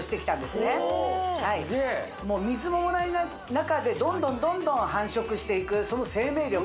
すげえ水ももらえない中でどんどんどんどん繁殖していくその生命力